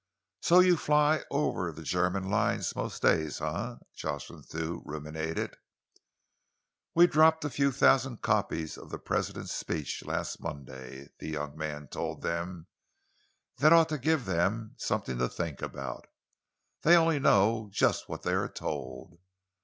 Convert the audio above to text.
"So you fly over the German lines most days, eh?" Jocelyn Thew ruminated. "We dropped a few thousand copies of the President's speech last Monday," the young man told them. "That ought to give them something to think about. They only know just what they are told.